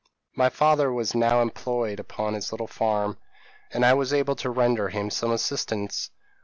My father was now employed upon his little farm, and I was able to render him some assistance.